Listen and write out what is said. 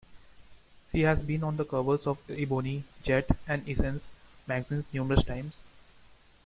She has been on the covers of "Ebony", "Jet", and "Essence" magazines numerous times.